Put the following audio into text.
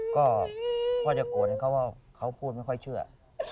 ก็พ่อจะโกรธให้เขาว่าเขาพูดไม่ค่อยเชื่อ